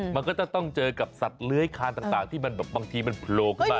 มันก็จะต้องเจอกับสัตว์เลื้อยคานต่างที่มันแบบบางทีมันโผล่ขึ้นมา